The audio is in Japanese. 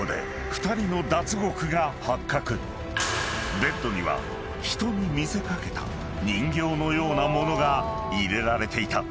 ［ベッドには人に見せ掛けた人形のようなものが入れられていた］